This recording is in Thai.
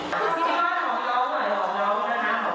คุณผู้ชมดูจังหวะนี้สักนิดหนึ่งนะครับ